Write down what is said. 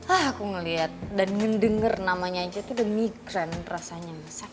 aku ngeliat dan ngedenger namanya aja tuh udah migren rasanya